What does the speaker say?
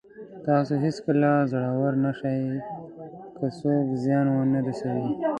تاسو هېڅکله زړور نه شئ که څوک زیان ونه رسوي.